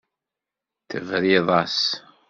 Tebriḍ-as.